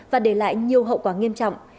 và để lại nhiều hậu quả nghiêm trọng